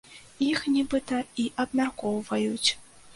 Іх, нібыта, і абмяркоўваюць.